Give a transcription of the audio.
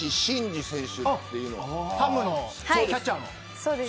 日本ハムのキャッチャーの。